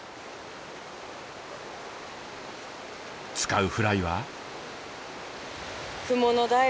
使うフライは。